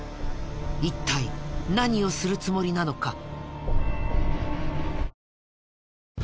一体何をするつもりなのか？